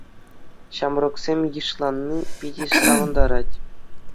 Ҫамрӑксем йышланни питӗ савӑнтарать.